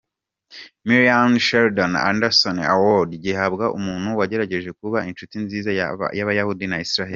Miriam&Sheldon Adelson Award”, gihabwa umuntu wagaragaje kuba inshuti nziza y’Abayahudi na Israel.